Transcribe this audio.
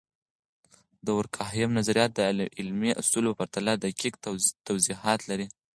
د دورکهايم نظریات د علمي اصولو په پرتله دقیق توضیحات لري.